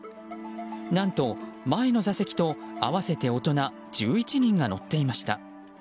何と前の座席と合わせて大人１１人が乗っていました。